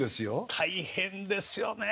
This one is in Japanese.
大変ですよねえ。